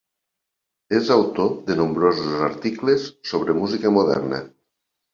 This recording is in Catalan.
És autor de nombrosos articles sobre música moderna.